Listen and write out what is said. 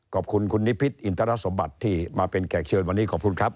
ขอบคุณคุณนิพิษอินทรสมบัติที่มาเป็นแขกเชิญวันนี้ขอบคุณครับ